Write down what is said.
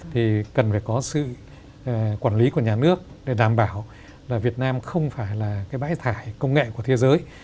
thì cần phải có sự quản lý của nhà nước để đảm bảo là việt nam không phải là cái bãi thải công nghệ của thế giới